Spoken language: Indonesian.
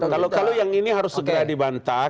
kalau yang ini harus segera dibantah